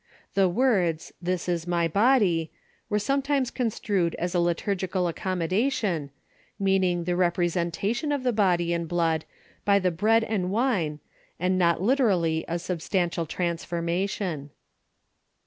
The words " This is ray body " were sometimes construed as a liturgical accommodation, meaning the representation of the body and blood by the bread and wine, and not literally a substantial transformation.